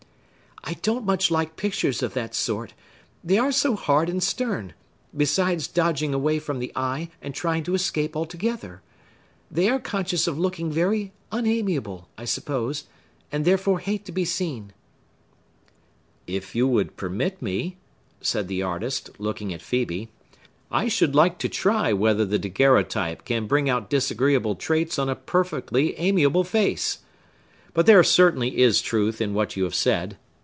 "I don't much like pictures of that sort,—they are so hard and stern; besides dodging away from the eye, and trying to escape altogether. They are conscious of looking very unamiable, I suppose, and therefore hate to be seen." "If you would permit me," said the artist, looking at Phœbe, "I should like to try whether the daguerreotype can bring out disagreeable traits on a perfectly amiable face. But there certainly is truth in what you have said.